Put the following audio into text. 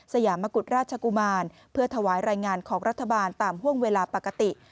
ยามกุฎราชกุมารเพื่อถวายรายงานของรัฐบาลตามห่วงเวลาปกติ